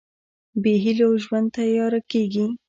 بېهيلو ژوند تیاره کېږي.